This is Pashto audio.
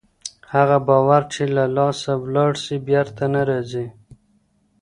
هغه باور چې له لاسه ولاړ سي بېرته نه راځي.